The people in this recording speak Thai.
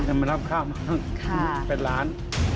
มันนำค่ามากเป็นล้าน